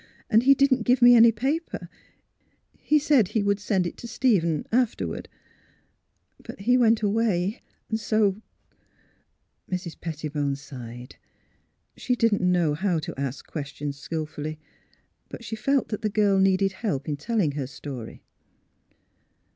And he didn't give me any paper. He said he would send it to Stephen, afterward. But he went away. So " Mrs. Pettibone sighed. She didn't know how to ask questions skilfully; but she felt that the girl needed help in telling her story.